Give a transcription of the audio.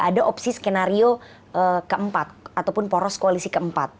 ada opsi skenario keempat ataupun poros koalisi keempat